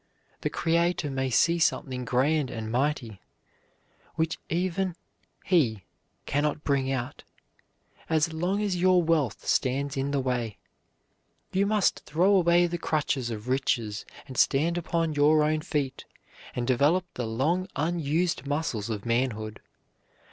The Creator may see something grand and mighty which even He can not bring out as long as your wealth stands in the way. You must throw away the crutches of riches and stand upon your own feet, and develop the long unused muscles of manhood.